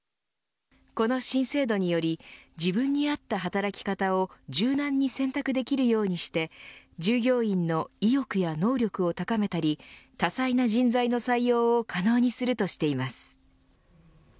この新制度により自分に合った働き方を柔軟に選択できるようにして従業員の意欲や能力を高めたり多彩な人材の採用を可能にするとしています。